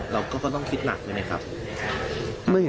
เราก็ต้องคิดหนักใช่ไหมครับ